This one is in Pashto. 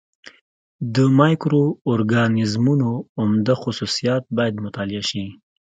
د مایکرو اورګانیزمونو عمده خصوصیات باید مطالعه شي.